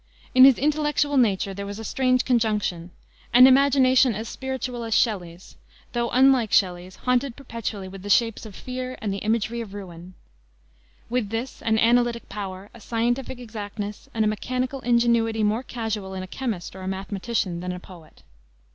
In his intellectual nature there was a strange conjunction; an imagination as spiritual as Shelley's, though, unlike Shelley's, haunted perpetually with shapes of fear and the imagery of ruin; with this, an analytic power, a scientific exactness, and a mechanical ingenuity more usual in a chemist or a mathematician than in a poet.